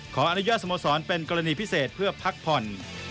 ขออนุญาตสโมสรเป็นกรณีพิเศษเพื่อพักผ่อน